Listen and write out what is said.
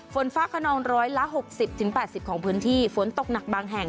ฝนฟ้าขนองร้อยละหกสิบถึงแปดสิบของพื้นที่ฝนตกหนักบางแห่ง